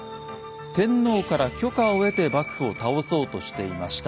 天皇から許可を得て幕府を倒そうとしていました。